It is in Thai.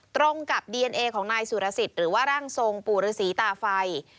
ตรงกับดีเอนเอของนายสุรสิทธิ์หรือว่าร่างทรงปู่ฤษีตาไฟ